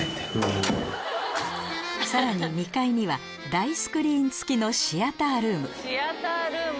さらに２階には大スクリーン付きのシアタールーム